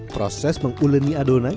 proses menguleni adonan